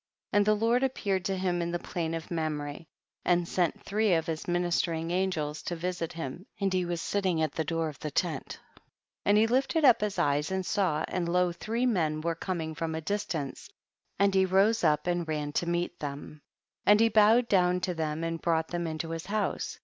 4. And the Lord appeared to him in the plain of Mamre, and sent three of his ministering angels to* visit him, and he was sitting at the door of the tent, and he lifted up his eyes and saw, and lo, three men Avere coming from a distance, and he rose up and ran to meet them, and he bowed down to them and brought them into his house.